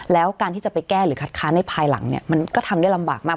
แล้วการที่จะไปแก้หรือคัดค้านในภายหลังเนี่ยมันก็ทำได้ลำบากมาก